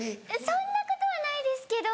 そんなことはないですけど。